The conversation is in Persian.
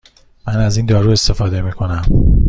من از این دارو استفاده می کنم.